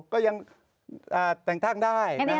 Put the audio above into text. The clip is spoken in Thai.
ก็ยังแต่งทางได้นะฮะ